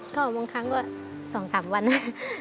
ก็บางครั้งก็๒๓วันนะ